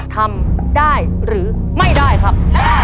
ทำได้หรือไม่ได้ครับ